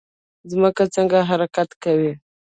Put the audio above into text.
ځمکه څنګه حرکت کوي؟